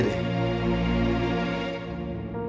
tenang aja deh